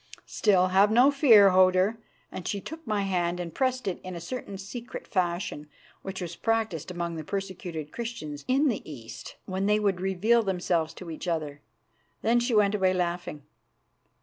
Still, have no fear, Hodur," and she took my hand and pressed it in a certain secret fashion which was practised among the persecuted Christians in the East when they would reveal themselves to each other. Then she went away laughing.